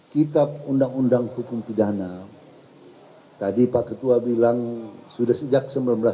kitab undang undang hukum pidana tadi pak ketua bilang sudah sejak seribu sembilan ratus sembilan puluh